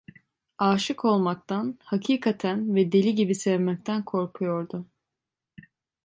Âşık olmaktan, hakikaten ve deli gibi sevmekten korkuyordu.